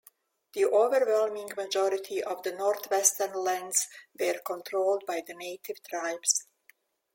The overwhelming majority of the northwestern lands were controlled by the native tribes.